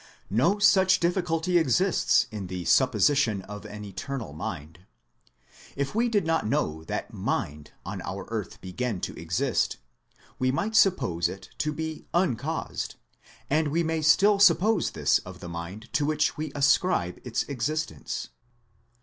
No such difficulty exists in the supposition of an Eternal Mind. If we did not know that Mind on our earth began to exist, we might suppose it to be uncaused ; 152 THEISM and we may still suppose tliis of the mind to which we ascribe its existence.